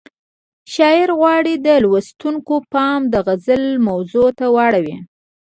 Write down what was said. شاعر غواړي د لوستونکو پام د غزل موضوع ته واړوي.